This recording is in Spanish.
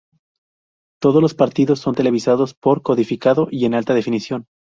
Todos los partidos son televisados por codificado y en alta definición.